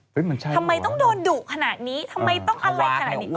มันใช่ทำไมต้องโดนดุขนาดนี้ทำไมต้องอะไรขนาดนี้